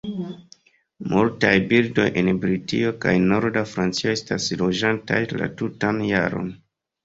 Multaj birdoj en Britio kaj norda Francio estas loĝantaj la tutan jaron.